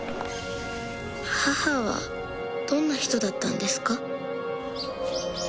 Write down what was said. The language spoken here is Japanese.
母はどんな人だったんですか？